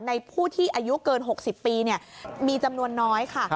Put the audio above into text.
ผู้ที่อายุเกิน๖๐ปีมีจำนวนน้อยค่ะ